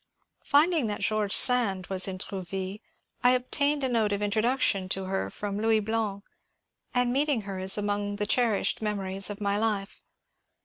Finding that George Sand was in Trouville I obtained a note of introduction to her from Louis Blanc, and meeting her is among the cherished memories of my life.